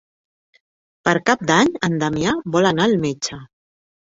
Per Cap d'Any en Damià vol anar al metge.